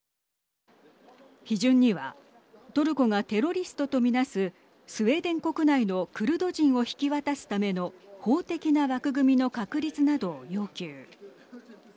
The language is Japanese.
批准にはトルコがテロリストと見なすスウェーデン国内のクルド人を引き渡すための法的な枠組みの確立などを要求。